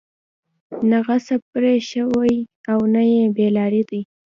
نه غضب پرې شوى او نه بې لاري دي.